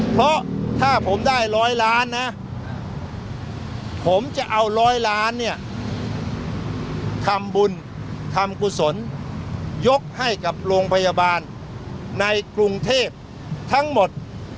เพราะถ้าผมได้ร้อยล้านนะผมจะเอาร้อยล้านเนี่ยทำบุญทำกุศลยกให้กับโรงพยาบาลในกรุงเทพทั้งหมด